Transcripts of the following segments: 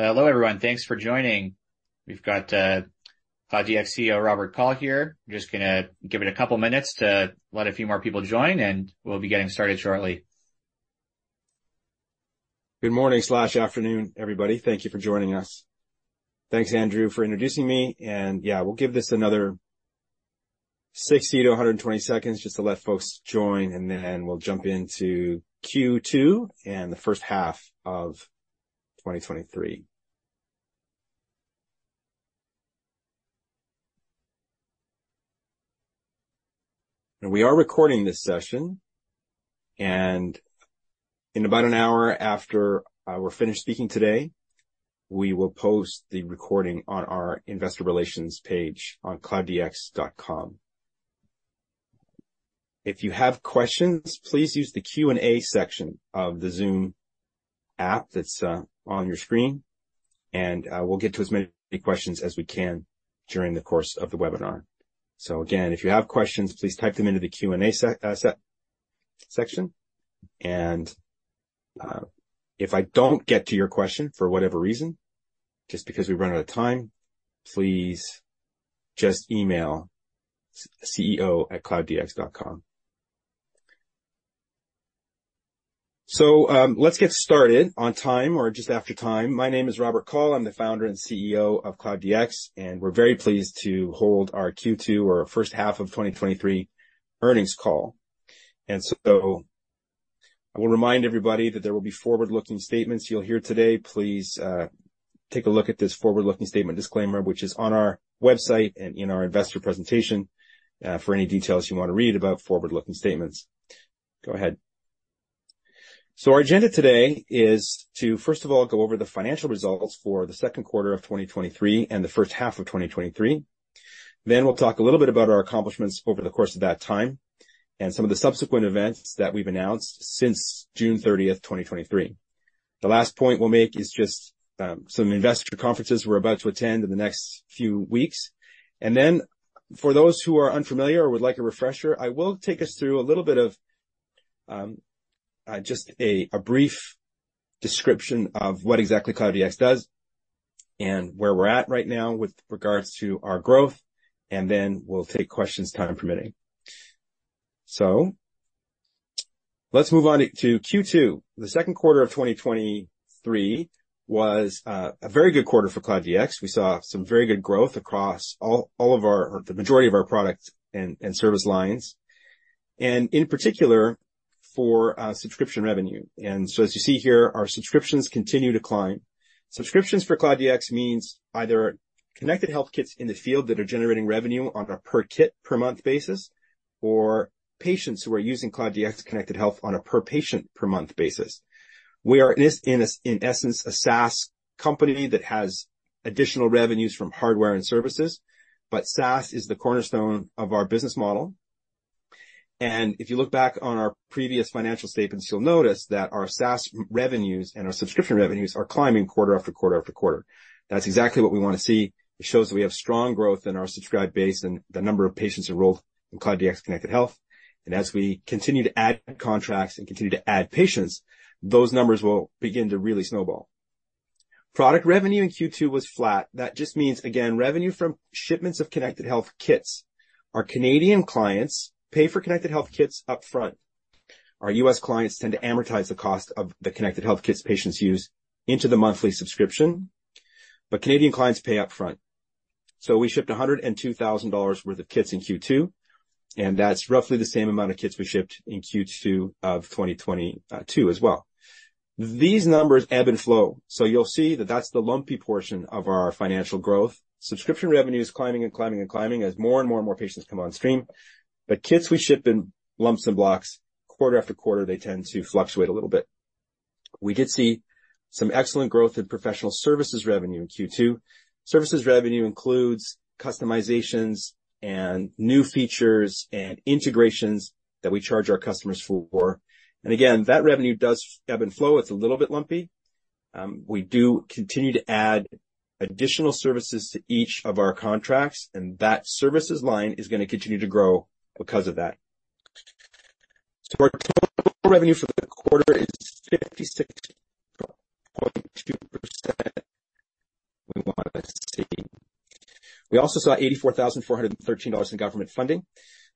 Hello, everyone. Thanks for joining. We've got, Cloud DX Chief Executive Officer, Robert Kaul here. I'm just gonna give it a couple minutes to let a few more people join, and we'll be getting started shortly. Good morning/afternoon, everybody. Thank you for joining us. Thanks, Andrew, for introducing me. And, yeah, we'll give this another 60 to 120 seconds just to let folks join, and then we'll jump into Q2 and the first half of 2023. And we are recording this session, and in about an hour after, we're finished speaking today, we will post the recording on our Investor Relations page on clouddx.com. If you have questions, please use the Q&A section of the Zoom app that's on your screen, and we'll get to as many questions as we can during the course of the webinar. So again, if you have questions, please type them into the Q&A section. And, if I don't get to your question for whatever reason, just because we run out of time, please just email ceo@clouddx.com. Let's get started on time or just after time. My name is Robert Kaul, I'm the Founder and Chief Executive Officer of Cloud DX, and we're very pleased to hold our Q2 or first half of 2023 earnings call. I will remind everybody that there will be forward-looking statements you'll hear today. Please, take a look at this forward-looking statement disclaimer, which is on our website and in our investor presentation, for any details you want to read about forward-looking statements. Go ahead. Our agenda today is to, first of all, go over the financial results for the second quarter of 2023 and the first half of 2023. Then we'll talk a little bit about our accomplishments over the course of that time and some of the subsequent events that we've announced since June 30, 2023. The last point we'll make is just some investor conferences we're about to attend in the next few weeks. And then for those who are unfamiliar or would like a refresher, I will take us through a little bit of just a brief description of what exactly Cloud DX does and where we're at right now with regards to our growth, and then we'll take questions, time permitting. So let's move on to Q2. The second quarter of 2023 was a very good quarter for Cloud DX. We saw some very good growth across the majority of our products and service lines, and in particular, for subscription revenue. And so, as you see here, our subscriptions continue to climb. Subscriptions for Cloud DX means either Connected Health kits in the field that are generating revenue on a per-kit, per-month basis, or patients who are using Cloud DX Connected Health on a per-patient, per-month basis. We are in essence a SaaS company that has additional revenues from hardware and services, but SaaS is the cornerstone of our business model. If you look back on our previous financial statements, you'll notice that our SaaS revenues and our subscription revenues are climbing quarter after quarter after quarter. That's exactly what we want to see. It shows we have strong growth in our subscribed base and the number of patients enrolled in Cloud DX Connected Health. As we continue to add contracts and continue to add patients, those numbers will begin to really snowball. Product revenue in Q2 was flat. That just means, again, revenue from shipments of Connected Health kits. Our Canadian clients pay for Connected Health kits upfront. Our U.S. clients tend to amortize the cost of the Connected Health kits patients use into the monthly subscription, but Canadian clients pay upfront. So we shipped 102,000 dollars worth of kits in Q2, and that's roughly the same amount of kits we shipped in Q2 of 2022 as well. These numbers ebb and flow, so you'll see that that's the lumpy portion of our financial growth. Subscription revenue is climbing and climbing and climbing as more and more and more patients come on stream. But kits we ship in lumps and blocks, quarter after quarter, they tend to fluctuate a little bit. We did see some excellent growth in professional services revenue in Q2. Services revenue includes customizations and new features and integrations that we charge our customers for. Again, that revenue does ebb and flow. It's a little bit lumpy. We do continue to add additional services to each of our contracts, and that services line is gonna continue to grow because of that. Our total revenue for the quarter is 56.2%. We also saw 84,413 dollars in government funding.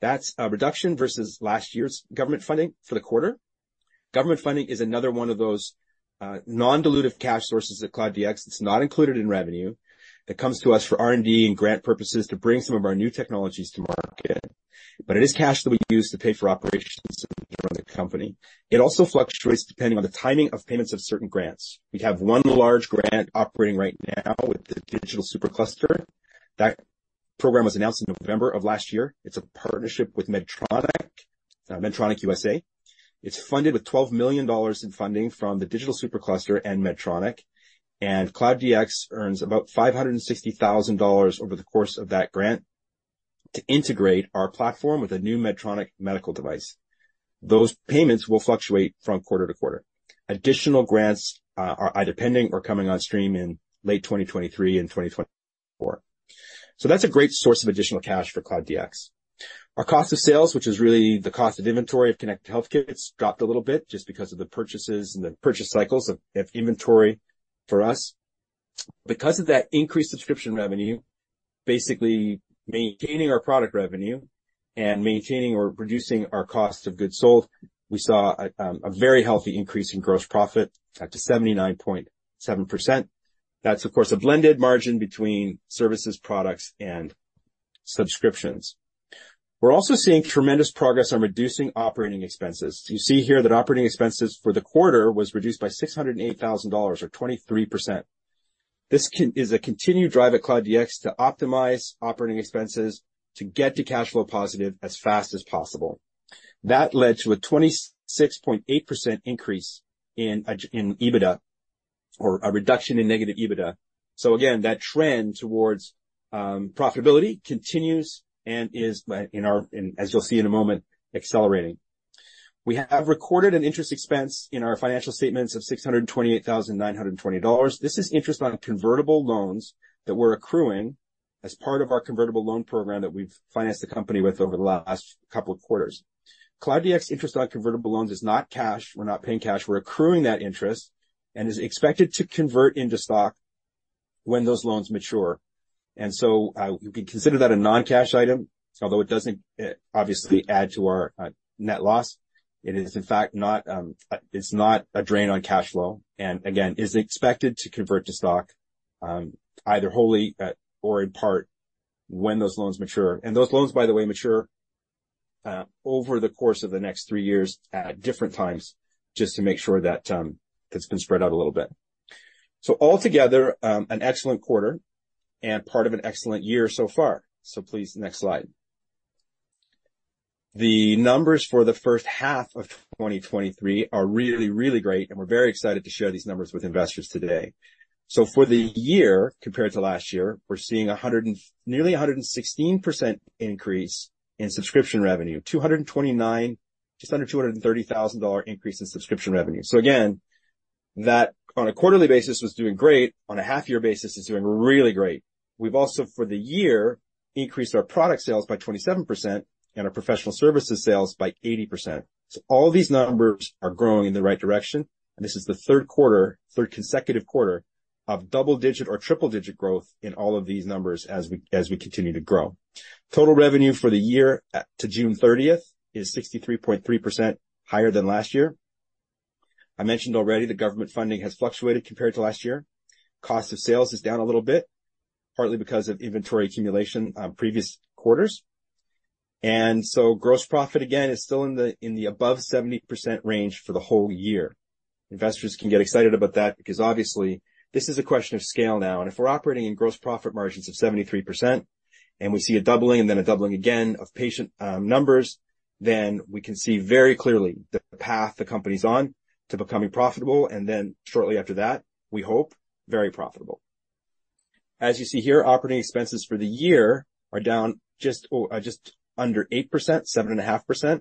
That's a reduction versus last year's government funding for the quarter. Government funding is another one of those non-dilutive cash sources at Cloud DX. It's not included in revenue. It comes to us for R&D and grant purposes to bring some of our new technologies to market. It is cash that we use to pay for operations around the company. It also fluctuates depending on the timing of payments of certain grants. We have one large grant operating right now with the Digital SuperCluster. That program was announced in November of last year. It's a partnership with Medtronic, Medtronic USA. It's funded with 12 million dollars in funding from the Digital SuperCluster and Medtronic, and Cloud DX earns about 560,000 dollars over the course of that grant to integrate our platform with a new Medtronic medical device. Those payments will fluctuate from quarter to quarter. Additional grants are either pending or coming on stream in late 2023 and 2024. So that's a great source of additional cash for Cloud DX. Our cost of sales, which is really the cost of inventory of Connected Healthcare, it's dropped a little bit just because of the purchases and the purchase cycles of inventory for us. Because of that increased subscription revenue, basically maintaining our product revenue and maintaining or reducing our cost of goods sold, we saw a very healthy increase in gross profit, up to 79.7%. That's, of course, a blended margin between services, products, and subscriptions. We're also seeing tremendous progress on reducing operating expenses. You see here that operating expenses for the quarter was reduced by 608,000 dollars or 23%. This is a continued drive at Cloud DX to optimize operating expenses to get to cash flow positive as fast as possible. That led to a 26.8% increase in EBITDA, or a reduction in negative EBITDA. So again, that trend towards profitability continues and is, but in our, and as you'll see in a moment, accelerating. We have recorded an interest expense in our financial statements of 628,920 dollars. This is interest on convertible loans that we're accruing as part of our convertible loan program that we've financed the company with over the last couple of quarters. Cloud DX interest on convertible loans is not cash. We're not paying cash. We're accruing that interest and is expected to convert into stock when those loans mature. You can consider that a non-cash item, although it doesn't obviously add to our net loss. It is in fact not. It's not a drain on cash flow, and again is expected to convert to stock, either wholly or in part, when those loans mature. Those loans, by the way, mature over the course of the next three years at different times, just to make sure that it's been spread out a little bit. Altogether, an excellent quarter and part of an excellent year so far. Please, next slide. The numbers for the first half of 2023 are really, really great, and we're very excited to share these numbers with investors today. For the year, compared to last year, we're seeing 100 and nearly 116% increase in subscription revenue. 229,000, just under 230,000 dollar increase in subscription revenue. So again, that on a quarterly basis, was doing great, on a half year basis, is doing really great. We've also, for the year, increased our product sales by 27% and our professional services sales by 80%. So all these numbers are growing in the right direction, and this is the third quarter, third consecutive quarter of double digit or triple digit growth in all of these numbers as we, as we continue to grow. Total revenue for the year to June 30th is 63.3% higher than last year. I mentioned already that government funding has fluctuated compared to last year. Cost of sales is down a little bit, partly because of inventory accumulation on previous quarters. And so gross profit, again, is still in the above 70% range for the whole year. Investors can get excited about that because obviously, this is a question of scale now, and if we're operating in gross profit margins of 73%, and we see a doubling, and then a doubling again of patient numbers, then we can see very clearly the path the company's on to becoming profitable, and then shortly after that, we hope, very profitable. As you see here, operating expenses for the year are down just under 8%, 7.5%.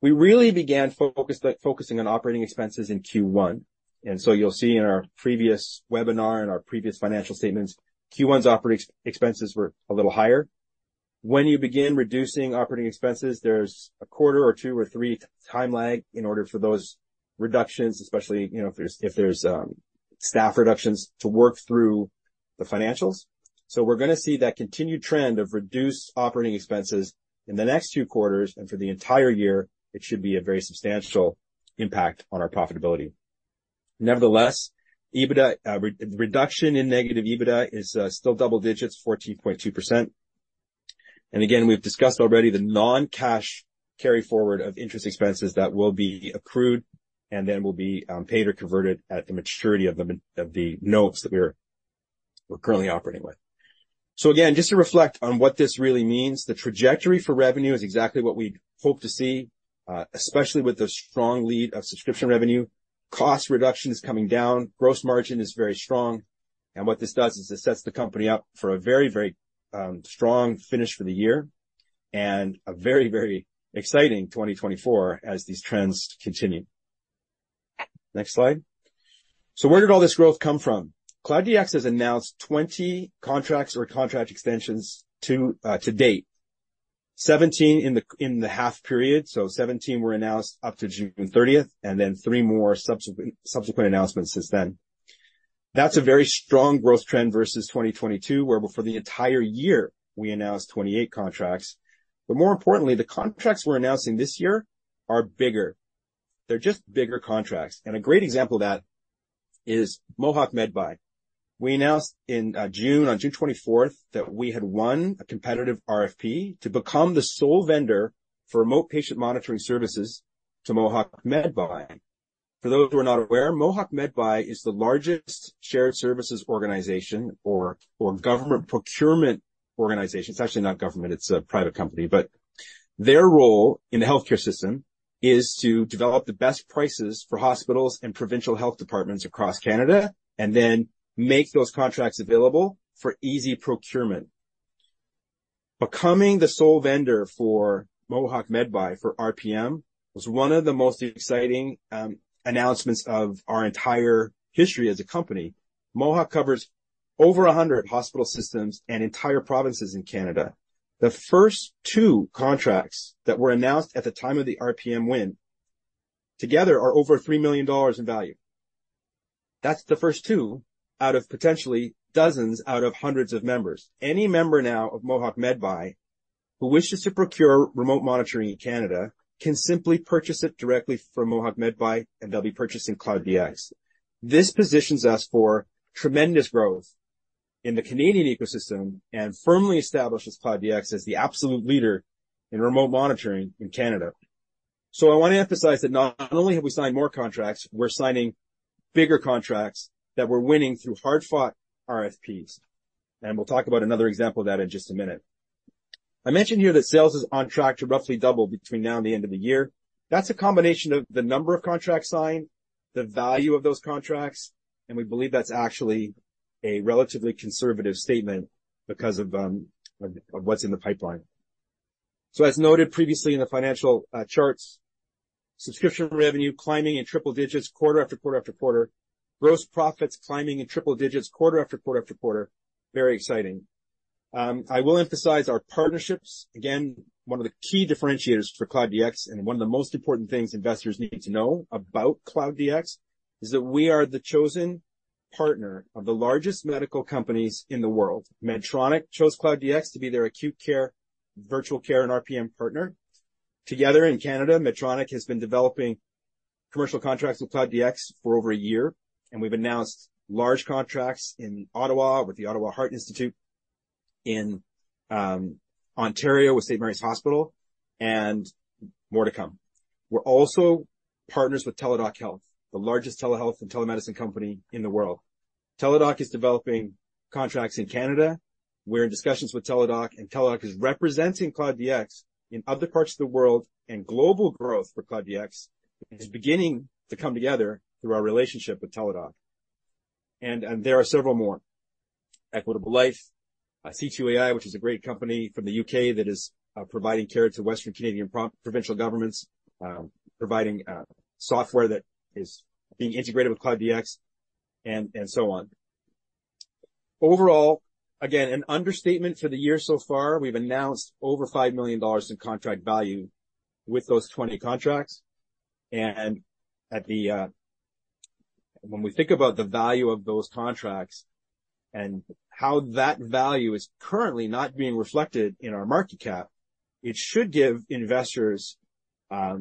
We really began focusing on operating expenses in Q1, and so you'll see in our previous webinar and our previous financial statements, Q1's operating expenses were a little higher. When you begin reducing operating expenses, there's a quarter or two or three time lag in order for those reductions, especially, you know, if there's staff reductions, to work through the financials. So we're gonna see that continued trend of reduced operating expenses in the next two quarters, and for the entire year, it should be a very substantial impact on our profitability. Nevertheless, EBITDA reduction in negative EBITDA is still double-digits, 14.2%. And again, we've discussed already the non-cash carry forward of interest expenses that will be accrued and then will be paid or converted at the maturity of the notes that we're currently operating with. So again, just to reflect on what this really means, the trajectory for revenue is exactly what we'd hope to see, especially with the strong lead of subscription revenue. Cost reduction is coming down, gross margin is very strong, and what this does is it sets the company up for a very, very strong finish for the year and a very, very exciting 2024 as these trends continue. Next slide. So where did all this growth come from? Cloud DX has announced 20 contracts or contract extensions to date. 17 in the half period, so 17 were announced up to June 30, and then three more subsequent announcements since then. That's a very strong growth trend versus 2022, where for the entire year, we announced 28 contracts. But more importantly, the contracts we're announcing this year are bigger. They're just bigger contracts. A great example of that is Mohawk Medbuy. We announced in June, on June 24th, that we had won a competitive RFP to become the sole vendor for Remote Patient Monitoring services to Mohawk Medbuy. For those who are not aware, Mohawk Medbuy is the largest shared services organization or government procurement organization. It's actually not government, it's a private company, but their role in the healthcare system is to develop the best prices for hospitals and provincial health departments across Canada, and then make those contracts available for easy procurement. Becoming the sole vendor for Mohawk Medbuy for RPM was one of the most exciting announcements of our entire history as a company. Mohawk covers over 100 hospital systems and entire provinces in Canada. The first two contracts that were announced at the time of the RPM win, together are over 3 million dollars in value. That's the first two out of potentially dozens out of hundreds of members. Any member now of Mohawk Medbuy, who wishes to procure remote monitoring in Canada, can simply purchase it directly from Mohawk Medbuy, and they'll be purchasing Cloud DX. This positions us for tremendous growth in the Canadian ecosystem and firmly establishes Cloud DX as the absolute leader in remote monitoring in Canada. So I want to emphasize that not only have we signed more contracts, we're signing bigger contracts that we're winning through hard-fought RFPs, and we'll talk about another example of that in just a minute. I mentioned here that sales is on track to roughly double between now and the end of the year. That's a combination of the number of contracts signed, the value of those contracts, and we believe that's actually a relatively conservative statement because of, of what's in the pipeline. So as noted previously in the financial, charts, subscription revenue climbing in triple-digits quarter after quarter after quarter. Gross profits climbing in triple-digits quarter after quarter after quarter. Very exciting. I will emphasize our partnerships. Again, one of the key differentiators for Cloud DX, and one of the most important things investors need to know about Cloud DX, is that we are the chosen partner of the largest medical companies in the world. Medtronic chose Cloud DX to be their acute care, virtual care, and RPM partner. Together in Canada, Medtronic has been developing commercial contracts with Cloud DX for over a year, and we've announced large contracts in Ottawa with the University of Ottawa Heart Institute, in Ontario with St. Mary's Hospital, and more to come. We're also partners with Teladoc Health, the largest telehealth and telemedicine company in the world. Teladoc is developing contracts in Canada. We're in discussions with Teladoc, and Teladoc is representing Cloud DX in other parts of the world, and global growth for Cloud DX is beginning to come together through our relationship with Teladoc. There are several more. Equitable Life, C2-Ai, which is a great company from the U.K. that is providing care to Western Canadian provincial governments, providing software that is being integrated with Cloud DX, and so on. Overall, again, an understatement for the year so far, we've announced over 5 million dollars in contract value with those 20 contracts, and at the... When we think about the value of those contracts and how that value is currently not being reflected in our market cap, it should give investors a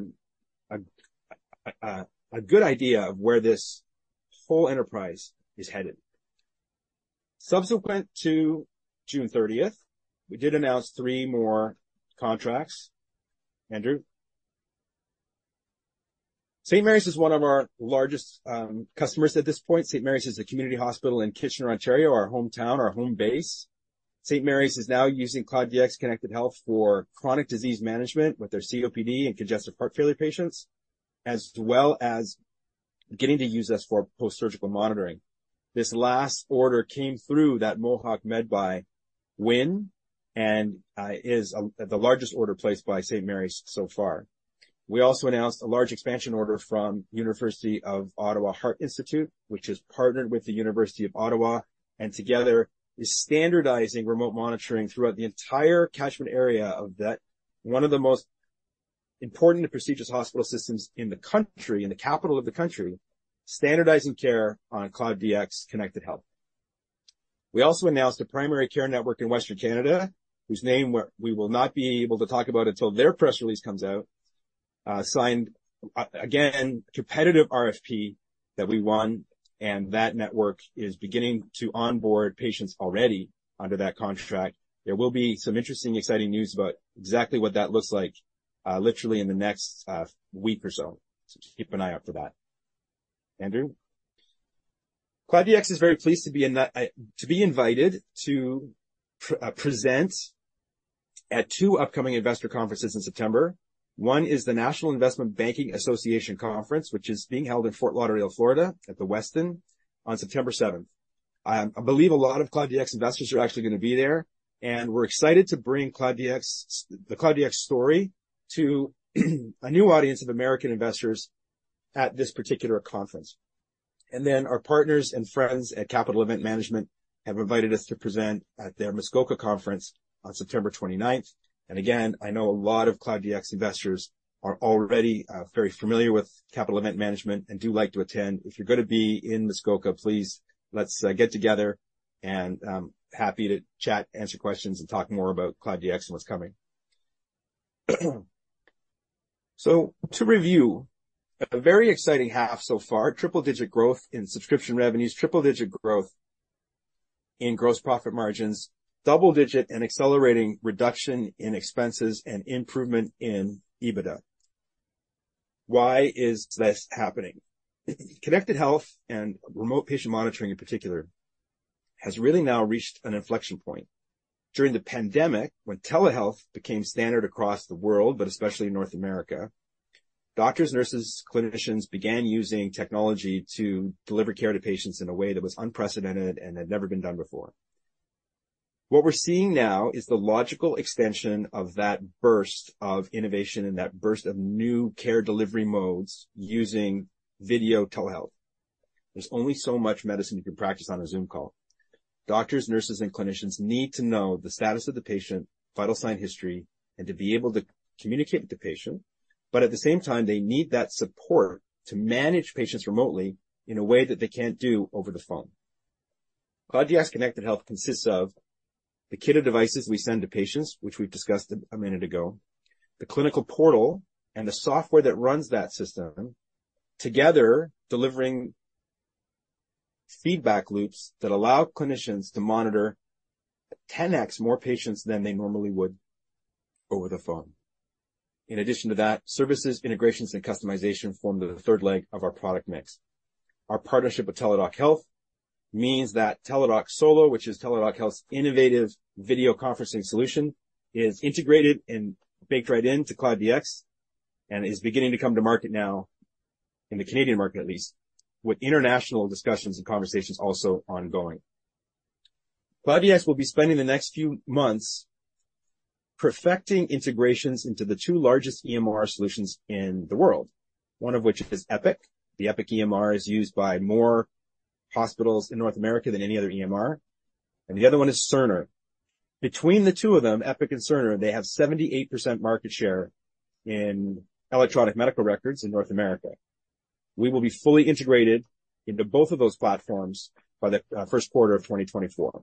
good idea of where this whole enterprise is headed. Subsequent to June 30th, we did announce three more contracts. Andrew? St. Mary's is one of our largest customers at this point. St. Mary's is a community hospital in Kitchener, Ontario, our hometown, our home base. St. Mary's is now using Cloud DX Connected Health for chronic disease management with their COPD and congestive heart failure patients, as well as getting to use us for post-surgical monitoring. This last order came through that Mohawk Medbuy win and is the largest order placed by St. Mary's so far. We also announced a large expansion order from University of Ottawa Heart Institute, which is partnered with the University of Ottawa, and together is standardizing remote monitoring throughout the entire catchment area of that. One of the most important and prestigious hospital systems in the country, in the capital of the country, standardizing care on Cloud DX Connected Health. We also announced a primary care network in Western Canada, whose name we will not be able to talk about until their press release comes out. Signed, again, a competitive RFP that we won, and that network is beginning to onboard patients already under that contract. There will be some interesting, exciting news about exactly what that looks like, literally in the next week or so. So just keep an eye out for that. Andrew? Cloud DX is very pleased to be invited to present at two upcoming investor conferences in September. One is the National Investment Banking Association Conference, which is being held in Fort Lauderdale, Florida, at the Westin on September 7. I believe a lot of Cloud DX investors are actually gonna be there, and we're excited to bring Cloud DX, the Cloud DX story to a new audience of American investors at this particular conference. And then our partners and friends at Capital Event Management have invited us to present at their Muskoka conference on September 29. And again, I know a lot of Cloud DX investors are already very familiar with Capital Event Management and do like to attend. If you're gonna be in Muskoka, please, let's get together and happy to chat, answer questions, and talk more about Cloud DX and what's coming. So to review, a very exciting half so far. Triple-digit growth in subscription revenues, triple-digit growth in gross profit margins, double-digit and accelerating reduction in expenses, and improvement in EBITDA. Why is this happening? Connected Health and Remote Patient Monitoring in particular has really now reached an inflection point. During the pandemic, when telehealth became standard across the world, but especially in North America, doctors, nurses, clinicians began using technology to deliver care to patients in a way that was unprecedented and had never been done before. What we're seeing now is the logical extension of that burst of innovation and that burst of new care delivery modes using video telehealth. There's only so much medicine you can practice on a Zoom call. Doctors, nurses, and clinicians need to know the status of the patient, vital sign history, and to be able to communicate with the patient. But at the same time, they need that support to manage patients remotely in a way that they can't do over the phone. Cloud DX Connected Health consists of the kit of devices we send to patients, which we've discussed a minute ago, the clinical portal and the software that runs that system, together delivering feedback loops that allow clinicians to monitor 10x more patients than they normally would over the phone. In addition to that, services, integrations, and customization form the third leg of our product mix. Our partnership with Teladoc Health means that Teladoc Solo, which is Teladoc Health's innovative video conferencing solution, is integrated and baked right into Cloud DX, and is beginning to come to market now in the Canadian market at least, with international discussions and conversations also ongoing. Cloud DX will be spending the next few months perfecting integrations into the two largest EMR solutions in the world, one of which is Epic. The Epic EMR is used by more hospitals in North America than any other EMR, and the other one is Cerner. Between the two of them, Epic and Cerner, they have 78% market share in electronic medical records in North America. We will be fully integrated into both of those platforms by the first quarter of 2024.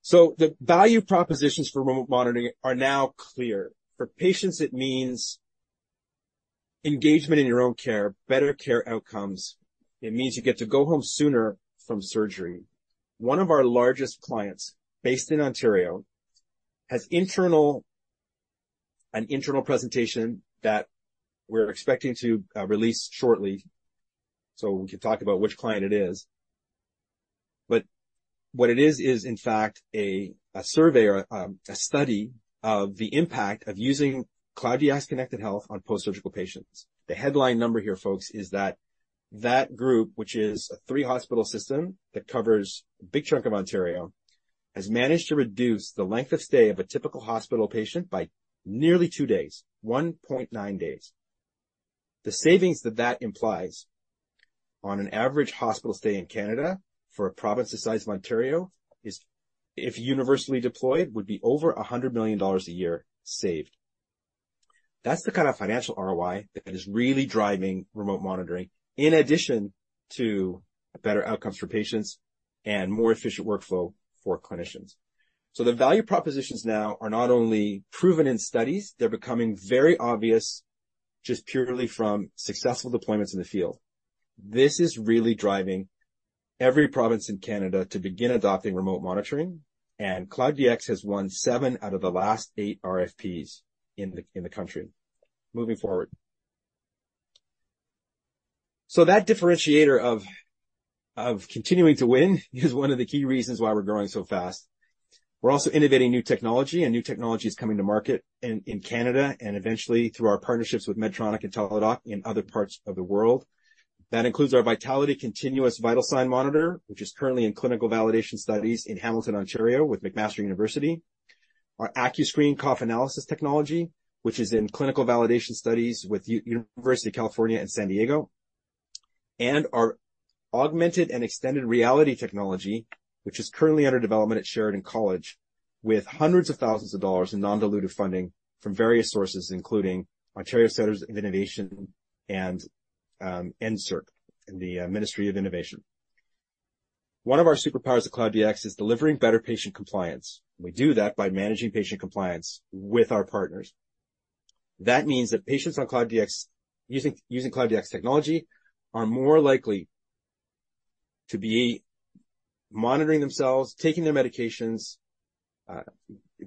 So the value propositions for remote monitoring are now clear. For patients, it means engagement in your own care, better care outcomes. It means you get to go home sooner from surgery. One of our largest clients, based in Ontario, has an internal presentation that we're expecting to release shortly, so we can talk about which client it is. But what it is is in fact a survey or a study of the impact of using Cloud DX Connected Health on post-surgical patients. The headline number here, folks, is that group, which is a three-hospital system that covers a big chunk of Ontario, has managed to reduce the length of stay of a typical hospital patient by nearly two days, 1.9 days. The savings that that implies on an average hospital stay in Canada for a province the size of Ontario, is if universally deployed, would be over 100 million dollars a year saved. That's the kind of financial ROI that is really driving remote monitoring, in addition to better outcomes for patients and more efficient workflow for clinicians. So the value propositions now are not only proven in studies, they're becoming very obvious just purely from successful deployments in the field. This is really driving every province in Canada to begin adopting remote monitoring, and Cloud DX has won seven out of the last eight RFPs in the country. Moving forward. So that differentiator of continuing to win is one of the key reasons why we're growing so fast. We're also innovating new technology, and new technology is coming to market in Canada, and eventually through our partnerships with Medtronic and Teladoc in other parts of the world. That includes our VITALITI Continuous Vital Sign Monitor, which is currently in clinical validation studies in Hamilton, Ontario, with McMaster University. Our AcuScreen Cough Analysis technology, which is in clinical validation studies with University of California San Diego, and our Augmented and Extended Reality technology, which is currently under development at Sheridan College, with hundreds of thousands of CAD in non-dilutive funding from various sources, including Ontario Centre of Innovation, NSERC and the Ministry of Innovation. One of our superpowers of Cloud DX is delivering better patient compliance. We do that by managing patient compliance with our partners. That means that patients on Cloud DX, using Cloud DX technology, are more likely to be monitoring themselves, taking their medications,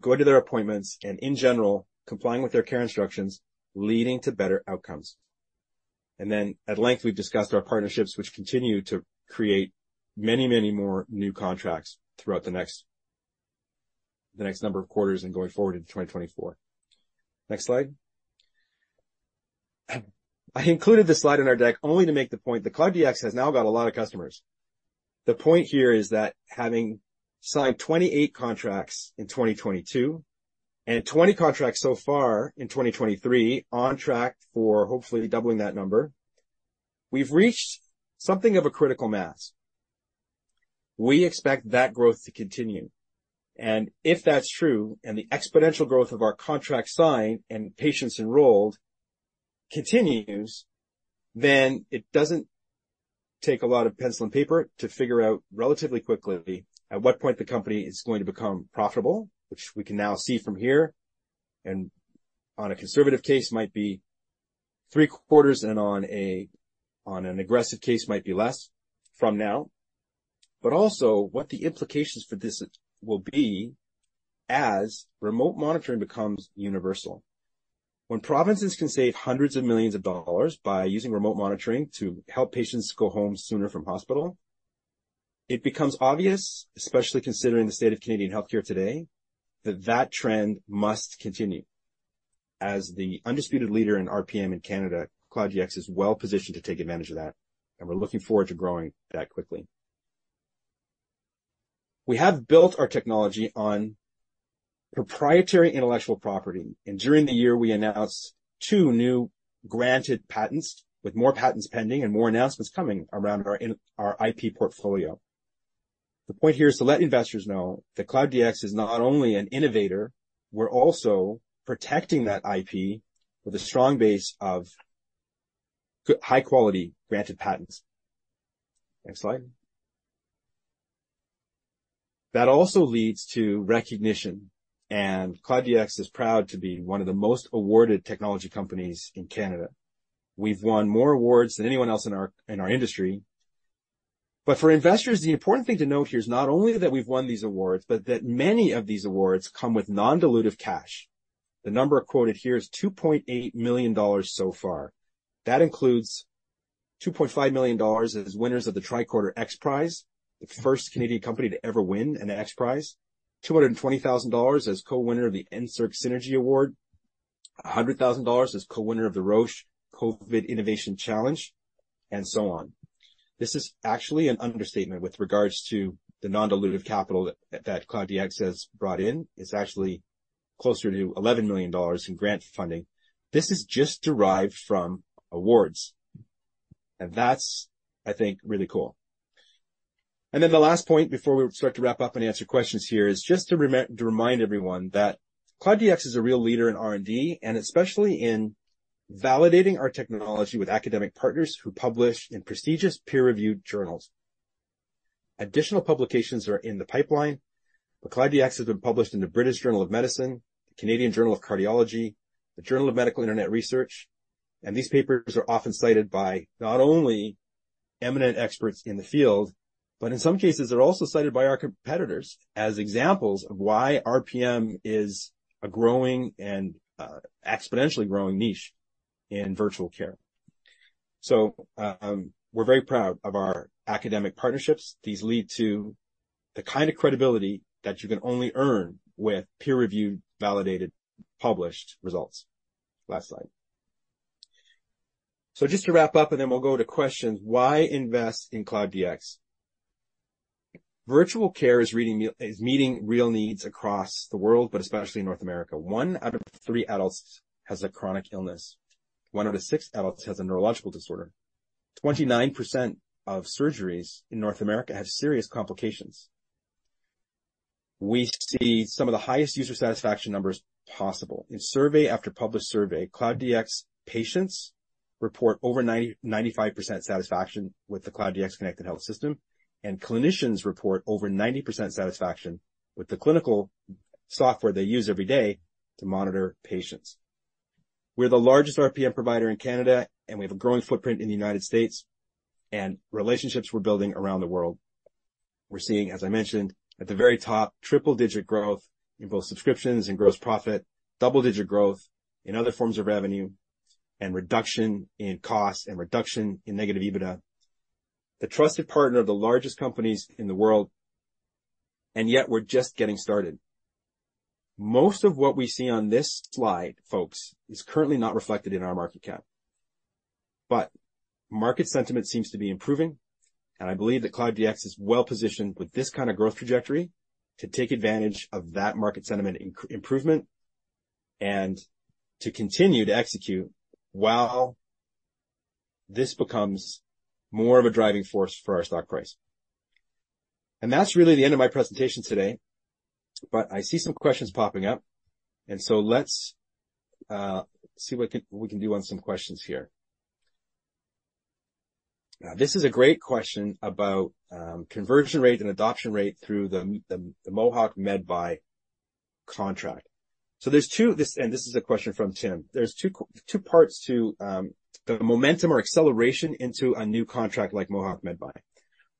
going to their appointments, and in general, complying with their care instructions, leading to better outcomes. And then, at length, we've discussed our partnerships, which continue to create many, many more new contracts throughout the next number of quarters and going forward into 2024. Next slide. I included this slide in our deck only to make the point that Cloud DX has now got a lot of customers. The point here is that having signed 28 contracts in 2022 and 20 contracts so far in 2023, on track for hopefully doubling that number, we've reached something of a critical mass. We expect that growth to continue. If that's true, and the exponential growth of our contract signing and patients enrolled continues, then it doesn't take a lot of pencil and paper to figure out relatively quickly at what point the company is going to become profitable, which we can now see from here, and on a conservative case, might be three quarters, and on a, on an aggressive case, might be less from now. But also, what the implications for this will be as remote monitoring becomes universal. When provinces can save hundreds of millions of CAD by using remote monitoring to help patients go home sooner from hospital. It becomes obvious, especially considering the state of Canadian healthcare today, that that trend must continue. As the undisputed leader in RPM in Canada, Cloud DX is well positioned to take advantage of that, and we're looking forward to growing that quickly. We have built our technology on proprietary intellectual property, and during the year, we announced two new granted patents, with more patents pending and more announcements coming around our IP portfolio. The point here is to let investors know that Cloud DX is not only an innovator, we're also protecting that IP with a strong base of good, high-quality, granted patents. Next slide. That also leads to recognition, and Cloud DX is proud to be one of the most awarded technology companies in Canada. We've won more awards than anyone else in our industry. But for investors, the important thing to note here is not only that we've won these awards, but that many of these awards come with non-dilutive cash. The number quoted here is 2.8 million dollars so far. That includes 2.5 million dollars as winners of the Qualcomm Tricorder XPRIZE, the first Canadian company to ever win an XPRIZE. 220,000 dollars as co-winner of the NSERC Synergy Award. 100,000 dollars as co-winner of the Roche COVID-19 Open Innovation Challenge, and so on. This is actually an understatement with regards to the non-dilutive capital that Cloud DX has brought in. It's actually closer to 11 million dollars in grant funding. This is just derived from awards, and that's, I think, really cool. And then the last point before we start to wrap up and answer questions here, is just to remind everyone that Cloud DX is a real leader in R&D, and especially in validating our technology with academic partners who publish in prestigious peer-reviewed journals. Additional publications are in the pipeline, but Cloud DX has been published in the British Journal of Medicine, the Canadian Journal of Cardiology, the Journal of Medical Internet Research, and these papers are often cited by not only eminent experts in the field, but in some cases, they're also cited by our competitors as examples of why RPM is a growing and exponentially growing niche in virtual care. So, we're very proud of our academic partnerships. These lead to the kind of credibility that you can only earn with peer-reviewed, validated, published results. Last slide. So just to wrap up, and then we'll go to questions. Why invest in Cloud DX? Virtual care is meeting real needs across the world, but especially in North America. One out of three adults has a chronic illness. One out of six adults has a neurological disorder. 29% of surgeries in North America have serious complications. We see some of the highest user satisfaction numbers possible. In survey after published survey, Cloud DX patients report over 90%-95% satisfaction with the Cloud DX Connected Health system, and clinicians report over 90% satisfaction with the clinical software they use every day to monitor patients. We're the largest RPM provider in Canada, and we have a growing footprint in the U.S. and relationships we're building around the world. We're seeing, as I mentioned, at the very top, triple-digit growth in both subscriptions and gross profit, double-digit growth in other forms of revenue, and reduction in costs and reduction in negative EBITDA. The trusted partner of the largest companies in the world, and yet we're just getting started. Most of what we see on this slide, folks, is currently not reflected in our market cap. But market sentiment seems to be improving, and I believe that Cloud DX is well positioned with this kind of growth trajectory to take advantage of that market sentiment improvement, and to continue to execute while this becomes more of a driving force for our stock price. And that's really the end of my presentation today, but I see some questions popping up, and so let's see what we can do on some questions here. Now, this is a great question about conversion rate and adoption rate through the Mohawk Medbuy contract, and this is a question from Tim. So there's two parts to the momentum or acceleration into a new contract like Mohawk Medbuy.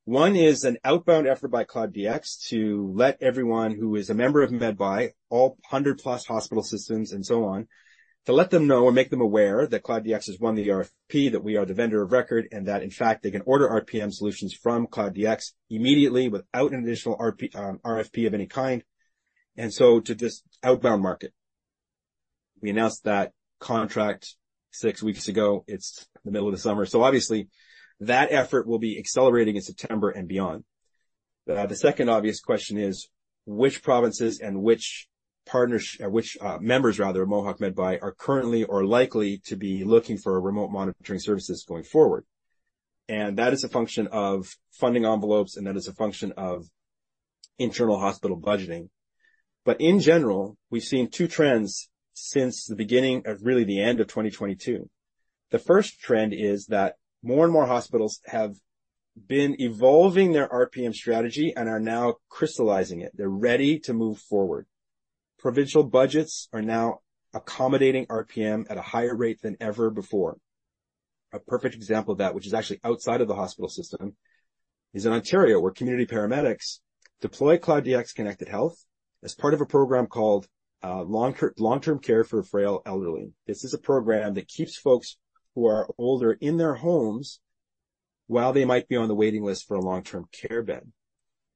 One is an outbound effort by Cloud DX to let everyone who is a member of Mohawk MedBuy, all 100+ hospital systems and so on, to let them know and make them aware that Cloud DX has won the RFP, that we are the Vendor of Record, and that, in fact, they can order RPM solutions from Cloud DX immediately without an additional RFP of any kind, and so to this outbound market. We announced that contract six weeks ago. It's the middle of the summer, so obviously, that effort will be accelerating in September and beyond. The second obvious question is: Which provinces and which members, rather, of Mohawk MedBuy are currently or likely to be looking for remote monitoring services going forward? And that is a function of funding envelopes, and that is a function of internal hospital budgeting. But in general, we've seen two trends since the beginning, or really the end of 2022. The first trend is that more and more hospitals have been evolving their RPM strategy and are now crystallizing it. They're ready to move forward. Provincial budgets are now accommodating RPM at a higher rate than ever before. A perfect example of that, which is actually outside of the hospital system, is in Ontario, where community paramedics deploy Cloud DX Connected Health as part of a program called long-term care for frail elderly. This is a program that keeps folks who are older in their homes while they might be on the waiting list for a long-term care bed.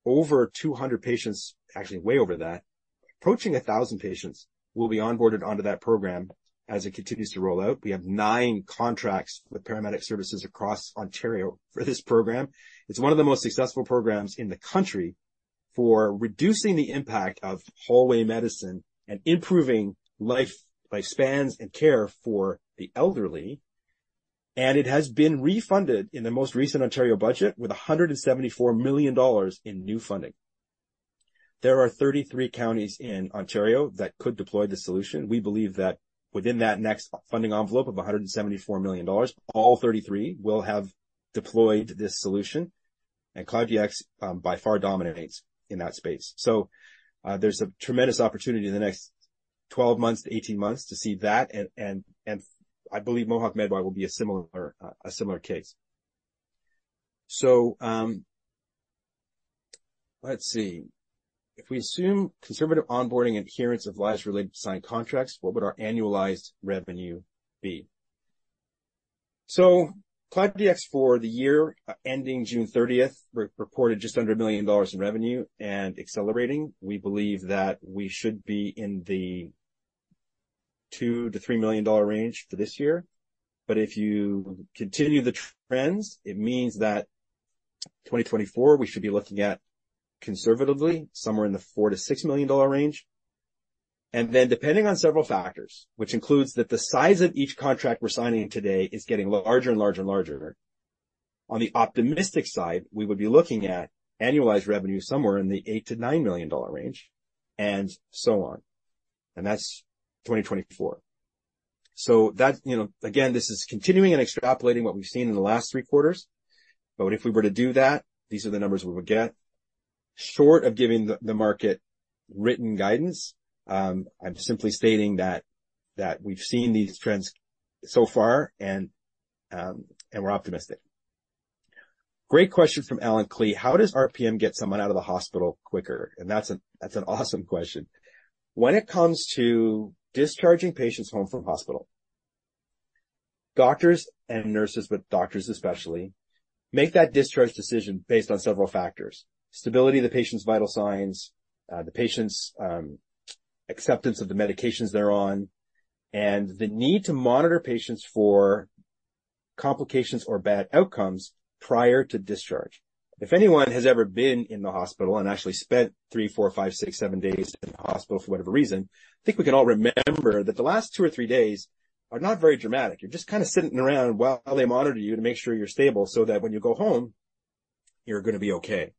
Over 200 patients, actually way over that, approaching 1,000 patients, will be onboarded onto that program as it continues to roll out. We have nine contracts with paramedic services across Ontario for this program. It's one of the most successful programs in the country for reducing the impact of hallway medicine and improving life, lifespans, and care for the elderly. It has been refunded in the most recent Ontario budget with 174 million dollars in new funding. There are 33 counties in Ontario that could deploy this solution. We believe that within that next funding envelope of 174 million dollars, all 33 will have deployed this solution, and Cloud DX by far dominates in that space. So, there's a tremendous opportunity in the next 12 to 18 months to see that, and I believe Mohawk Medbuy will be a similar case. So, let's see. If we assume conservative onboarding and adherence of lives related to signed contracts, what would our annualized revenue be? So Cloud DX, for the year ending June 30, re-reported just under 1 million dollars in revenue and accelerating. We believe that we should be in the 2 million-3 million dollar range for this year. But if you continue the trends, it means that 2024, we should be looking at conservatively, somewhere in the 4 million-6 million dollar range. And then, depending on several factors, which includes that the size of each contract we're signing today is getting larger and larger and larger. On the optimistic side, we would be looking at annualized revenue somewhere in the 8 million-9 million dollar range and so on, and that's 2024. You know, again, this is continuing and extrapolating what we've seen in the last three quarters, but if we were to do that, these are the numbers we would get. Short of giving the market written guidance, I'm simply stating that we've seen these trends so far and we're optimistic. Great question from Alan Klee: "How does RPM get someone out of the hospital quicker?" And that's an awesome question. When it comes to discharging patients home from hospital, doctors and nurses, but doctors especially, make that discharge decision based on several factors: stability of the patient's vital signs, the patient's acceptance of the medications they're on, and the need to monitor patients for complications or bad outcomes prior to discharge. If anyone has ever been in the hospital and actually spent three, four, five, six, seven days in the hospital for whatever reason, I think we can all remember that the last two or three days are not very dramatic. You're just kind of sitting around while they monitor you to make sure you're stable so that when you go home, you're gonna be okay.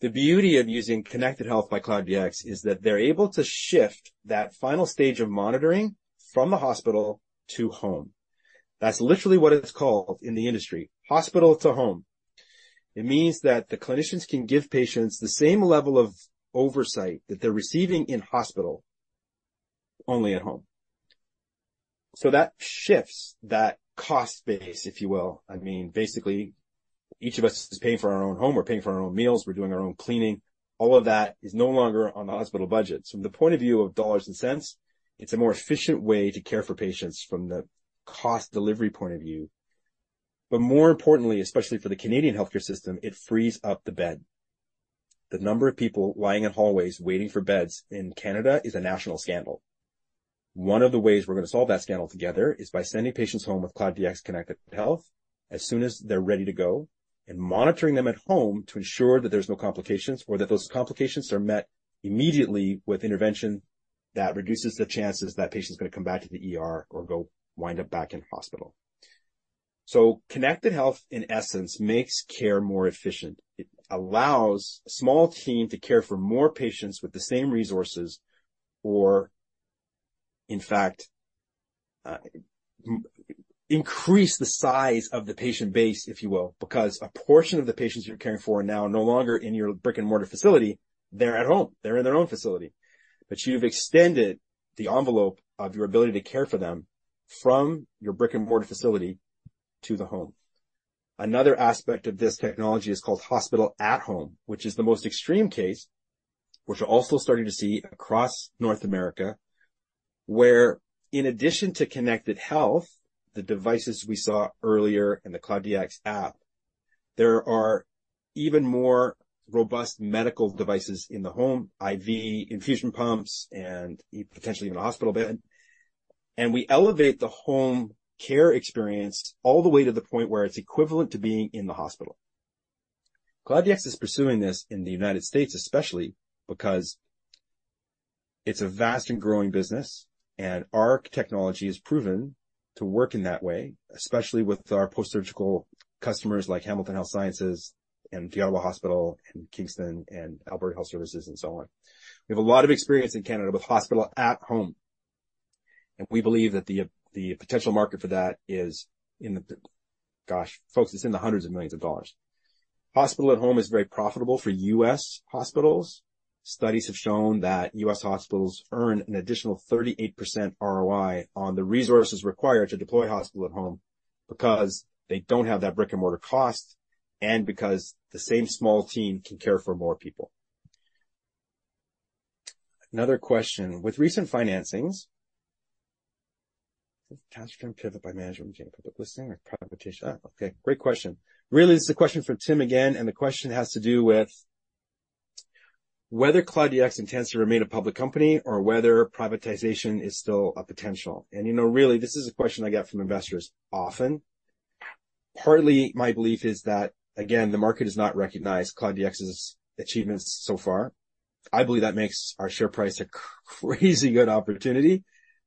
The beauty of using Connected Health by Cloud DX is that they're able to shift that final stage of monitoring from the hospital to home. That's literally what it's called in the industry, Hospital-to-Home. It means that the clinicians can give patients the same level of oversight that they're receiving in hospital, only at home. So that shifts that cost base, if you will. I mean, basically, each of us is paying for our own home, we're paying for our own meals, we're doing our own cleaning. All of that is no longer on the hospital budget. From the point of view of dollars and cents, it's a more efficient way to care for patients from the cost delivery point of view. But more importantly, especially for the Canadian healthcare system, it frees up the bed. The number of people lying in hallways waiting for beds in Canada is a national scandal. One of the ways we're gonna solve that scandal together is by sending patients home with Cloud DX Connected Health as soon as they're ready to go, and monitoring them at home to ensure that there's no complications or that those complications are met immediately with intervention that reduces the chances that patient's gonna come back to the ER or go wind up back in the hospital. So Connected Health, in essence, makes care more efficient. It allows a small team to care for more patients with the same resources, or in fact, increase the size of the patient base, if you will, because a portion of the patients you're caring for are now no longer in your brick-and-mortar facility. They're at home. They're in their own facility. But you've extended the envelope of your ability to care for them from your brick-and-mortar facility to the home. Another aspect of this technology is called Hospital-at-Home, which is the most extreme case, which we're also starting to see across North America, where in addition to Connected Health, the devices we saw earlier in the Cloud DX app, there are even more robust medical devices in the home, IV infusion pumps, and potentially even a hospital bed. We elevate the home care experience all the way to the point where it's equivalent to being in the hospital. Cloud DX is pursuing this in the U.S., especially because it's a vast and growing business, and our technology is proven to work in that way, especially with our post-surgical customers like Hamilton Health Sciences, and Ottawa Hospital, and Kingston, and Alberta Health Services, and so on. We have a lot of experience in Canada with Hospital-at-Home, and we believe that the potential market for that is in the... Gosh, folks, it's in the hundreds of millions of dollars. Hospital-at-Home is very profitable for U.S. hospitals. Studies have shown that U.S. hospitals earn an additional 38% ROI on the resources required to deploy Hospital-at-Home because they don't have that brick-and-mortar cost and because the same small team can care for more people. Another question: With recent financings, cash can pivot by management, public listing or privatization. Okay, great question. Really, this is a question from Tim again, and the question has to do with whether Cloud DX intends to remain a public company or whether privatization is still a potential. You know, really, this is a question I get from investors often. Partly, my belief is that, again, the market has not recognized Cloud DX's achievements so far. I believe that makes our share price a crazy good opportunity.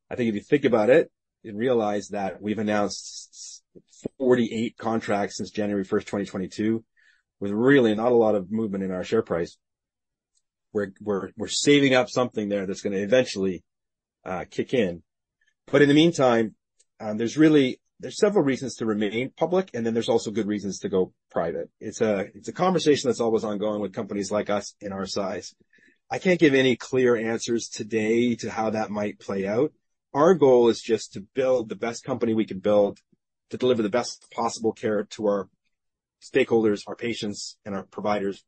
I think if you think about it and realize that we've announced 48 contracts since January 1st, 2022, with really not a lot of movement in our share price, we're saving up something there that's going to eventually kick in. But in the meantime, there's several reasons to remain public, and then there's also good reasons to go private. It's a conversation that's always ongoing with companies like us and our size. I can't give any clear answers today to how that might play out. Our goal is just to build the best company we can build, to deliver the best possible care to our stakeholders, our patients, and our providers,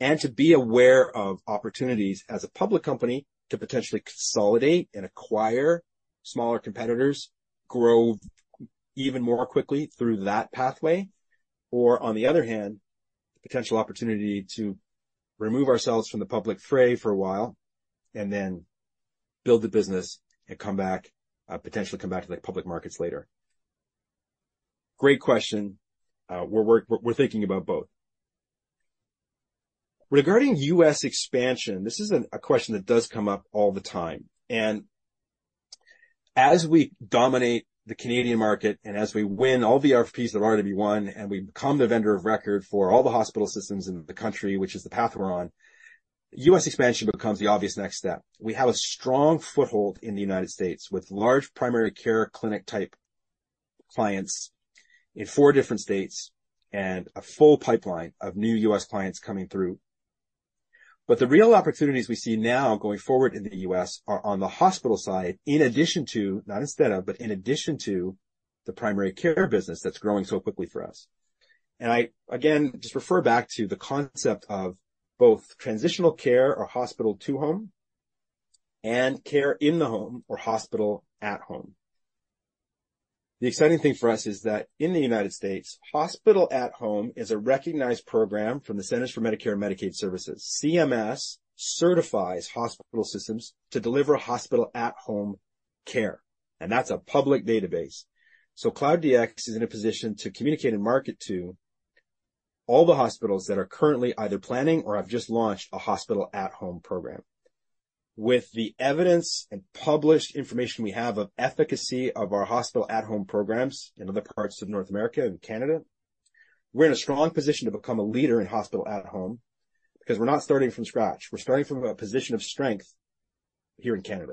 and to be aware of opportunities as a public company to potentially consolidate and acquire smaller competitors, grow even more quickly through that pathway, or on the other hand, the potential opportunity to remove ourselves from the public fray for a while and then build the business and come back, potentially come back to the public markets later. Great question. We're thinking about both. Regarding U.S. expansion, this is a question that does come up all the time, and as we dominate the Canadian market and as we win all the RFPs that are already won, and we become the vendor of record for all the hospital systems in the country, which is the path we're on, U.S. expansion becomes the obvious next step. We have a strong foothold in the United States with large primary care clinic-type clients in four different states and a full pipeline of new U.S. clients coming through. But the real opportunities we see now going forward in the U.S. are on the hospital side, in addition to, not instead of, but in addition to the primary care business that's growing so quickly for us. I again just refer back to the concept of both transitional care or Hospital to Home and care in the home or Hospital-at-Home. The exciting thing for us is that in the U.S., Hospital-at-Home is a recognized program from the Centers for Medicare and Medicaid Services. CMS certifies hospital systems to deliver Hospital-at-Home care, and that's a public database. So Cloud DX is in a position to communicate and market to all the hospitals that are currently either planning or have just launched a Hospital-at-Home program. With the evidence and published information we have of efficacy of our Hospital-at-Home programs in other parts of North America and Canada, we're in a strong position to become a leader in Hospital-at-Home because we're not starting from scratch. We're starting from a position of strength here in Canada.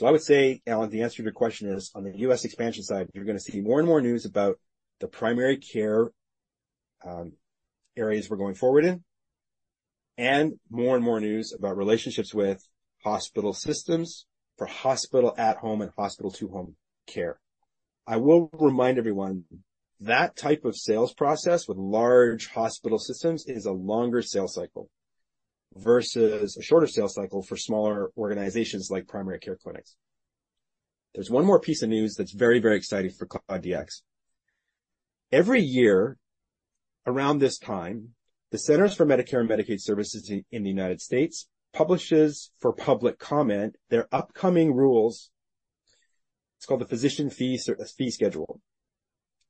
I would say, Alan, the answer to your question is, on the U.S. expansion side, you're going to see more and more news about the primary care areas we're going forward in, and more and more news about relationships with hospital systems for Hospital-at-Home and Hospital-to-Home care. I will remind everyone, that type of sales process with large hospital systems is a longer sales cycle versus a shorter sales cycle for smaller organizations like primary care clinics. There's one more piece of news that's very, very exciting for Cloud DX. Every year around this time, the Centers for Medicare and Medicaid Services in the U.S. publishes for public comment their upcoming rules. It's called the Physician Fee Schedule.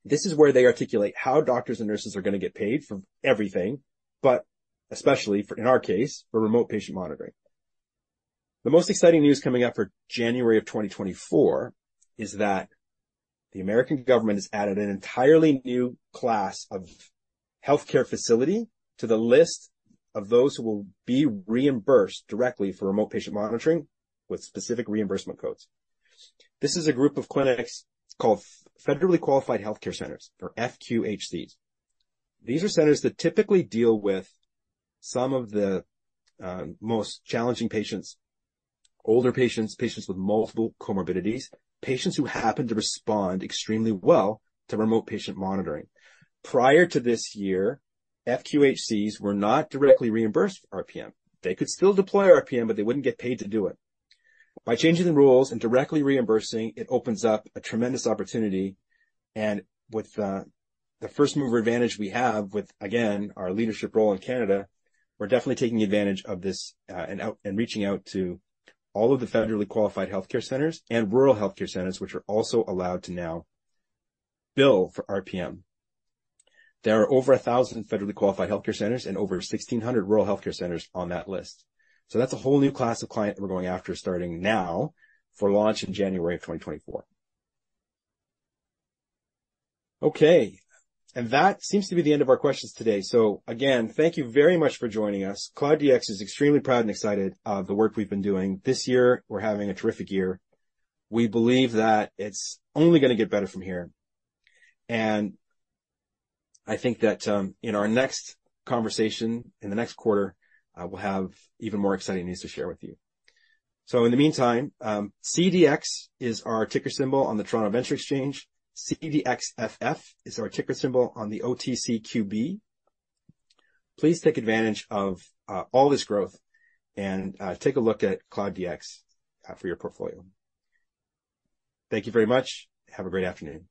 This is where they articulate how doctors and nurses are going to get paid for everything, but especially for, in our case, for Remote Patient Monitoring. The most exciting news coming out for January of 2024 is that the American government has added an entirely new class of healthcare facility to the list of those who will be reimbursed directly for Remote Patient Monitoring with specific reimbursement codes. This is a group of clinics called Federally Qualified Health Centers, or FQHCs. These are centers that typically deal with some of the most challenging patients, older patients, patients with multiple comorbidities, patients who happen to respond extremely well to Remote Patient Monitoring. Prior to this year, FQHCs were not directly reimbursed for RPM. They could still deploy RPM, but they wouldn't get paid to do it. By changing the rules and directly reimbursing, it opens up a tremendous opportunity, and with the first-mover advantage we have with, again, our leadership role in Canada, we're definitely taking advantage of this, and reaching out to all of the federally qualified health centers and rural health centers, which are also allowed to now bill for RPM. There are over 1,000 federally qualified health centers and over 1,600 rural health centers on that list. So that's a whole new class of client that we're going after, starting now for launch in January of 2024. Okay, and that seems to be the end of our questions today. So again, thank you very much for joining us. Cloud DX is extremely proud and excited of the work we've been doing. This year, we're having a terrific year. We believe that it's only going to get better from here. I think that, in our next conversation, in the next quarter, I will have even more exciting news to share with you. In the meantime, CDX is our ticker symbol on the TSX Venture Exchange. CDXFF is our ticker symbol on the OTCQB. Please take advantage of all this growth and take a look at Cloud DX for your portfolio. Thank you very much. Have a great afternoon.